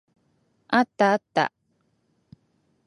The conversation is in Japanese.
あったあった。